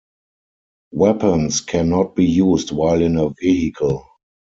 Weapons can not be used while in a vehicle.